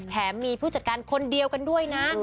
แถมมีผู้จัดการคนเดียวกันด้วยนะ